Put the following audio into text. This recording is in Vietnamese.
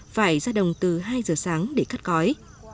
phải ra đồng từ hai giờ sáng để cắt cói